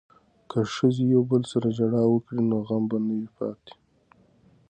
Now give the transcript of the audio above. که ښځې یو بل سره ژړا وکړي نو غم به نه وي پاتې.